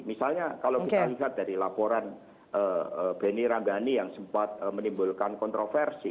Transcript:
misalnya kalau kita lihat dari laporan benny ragani yang sempat menimbulkan kontroversi